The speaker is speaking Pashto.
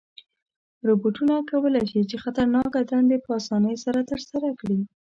روبوټونه کولی شي چې خطرناکه دندې په آسانۍ سره ترسره کړي.